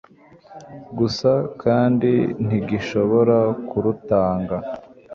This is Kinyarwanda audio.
gusa kandi ntigishobora kurutanga